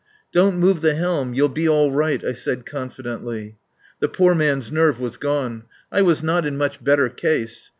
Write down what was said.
"Don't move the helm. You'll be all right," I said confidently. The poor man's nerves were gone. Mine were not in much better case.